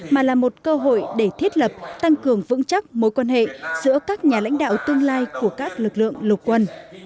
mà là một cơ hội để thiết lập tăng cường vững chắc mối quan hệ giữa các nhà lãnh đạo tương lai của các lực lượng lục quân